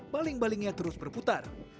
baling balingnya terus berputar